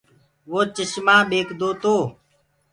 وو چشمآ ٻيڪدو تو۔